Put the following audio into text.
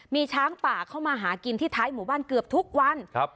มีช้างป่าเข้ามาหากินที่ท้ายหมู่บ้านเกือบทุกวันครับ